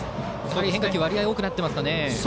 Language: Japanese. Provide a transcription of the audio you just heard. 変化球の割合が多くなってますね。